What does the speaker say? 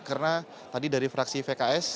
karena tadi dari fraksi vks